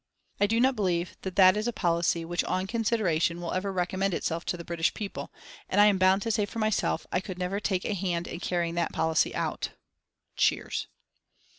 I do not believe that that is a policy which on consideration will ever recommend itself to the British people, and I am bound to say for myself I could never take a hand in carrying that policy out." (Cheers.)